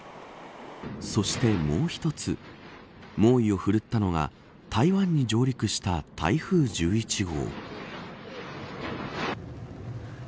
そして、もう一つ猛威をふるったのは台湾に上陸した台風１１号。